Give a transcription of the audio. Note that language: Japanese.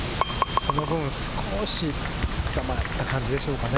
その分、少しつかまった感じでしょうかね。